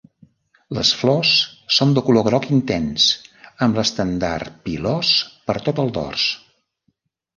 Les flors són de color groc intens, amb l'estendard pilós per tot el dors.